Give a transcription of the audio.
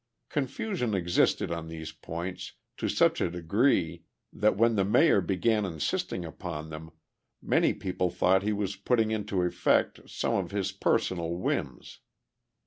Confusion existed on these points to such a degree that when the Mayor began insisting upon them, many people thought he was putting into effect some of his personal whims.